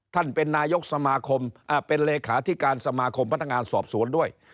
ท่านเป็นนายกสมาคมเป็นเลขาธิการสมาคมพนักงานสอบสวนด้วย